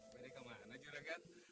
beri kemana juragan